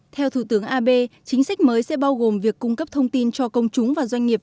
theo thủ tướng abe chính sách mới sẽ bao gồm việc cung cấp thông tin cho công chúng và doanh nghiệp